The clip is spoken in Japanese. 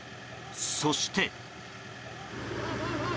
そして。